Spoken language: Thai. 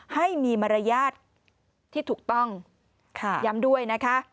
ให้มีมารยาทที่ถูกต้องค่ะย้ำด้วยนะคะ